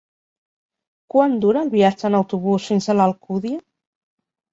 Quant dura el viatge en autobús fins a l'Alcúdia?